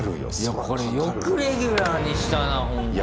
いやこれよくレギュラーにしたなほんとに。